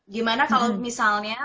gimana kalau misalnya